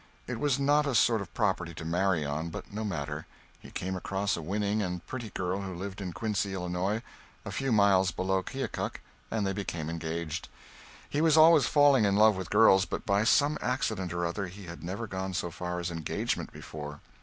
It was not a sort of property to marry on but no matter. He came across a winning and pretty girl who lived in Quincy, Illinois, a few miles below Keokuk, and they became engaged. He was always falling in love with girls, but by some accident or other he had never gone so far as engagement before.